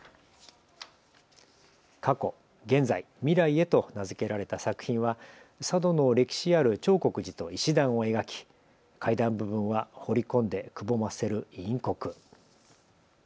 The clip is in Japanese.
過去−現在−未来へと名付けられた作品は佐渡の歴史ある長谷寺と石段を描き階段部分は彫り込んでくぼませる陰刻。